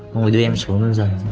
ngồi đưa em xuống lên giày